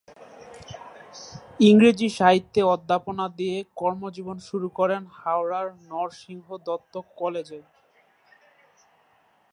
ইংরাজী সাহিত্যে অধ্যাপনা দিয়ে কর্মজীবন শুরু করেন হাওড়ার নরসিংহ দত্ত কলেজে।